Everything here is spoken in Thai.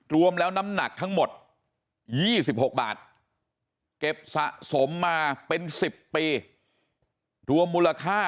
รวมแล้วน้ำหนักทั้งหมด๒๖บาทเก็บสะสมมาเป็น๑๐ปีรวมมูลค่า